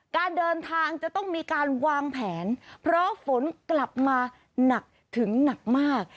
การเดินทางจะต้องมีการวางแผนเพราะฝนกลับมาหนักถึงหนักมาก